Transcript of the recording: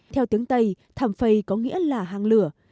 theo tiếng tây thảm phầy có nghĩa là hàng lửa